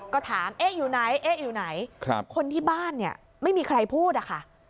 ก็ถามเอ๊ะอยู่ไหนเอ๊ะอยู่ไหนคนที่บ้านเนี่ยไม่มีใครพูดอะค่ะ